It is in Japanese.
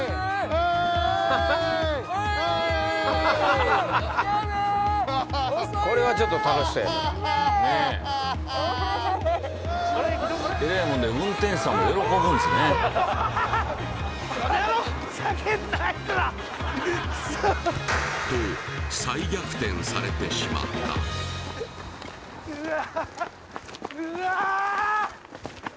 おわ！と再逆転されてしまったうわ